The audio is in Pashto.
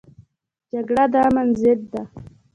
جګړه د امن ضد ده